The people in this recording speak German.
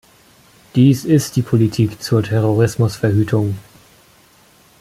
Dies ist die Politik zur Terrorismusverhütung.